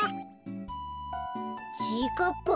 ちぃかっぱ？